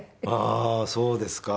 ああーそうですか。